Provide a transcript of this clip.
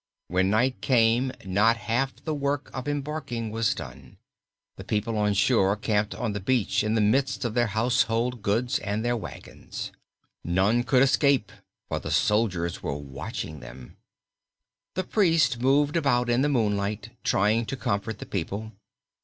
When night came not half the work of embarking was done. The people on shore camped on the beach in the midst of their household goods and their wagons. None could escape, for the soldiers were watching them. The priest moved about in the moonlight trying to comfort the people.